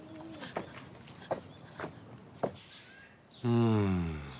うん！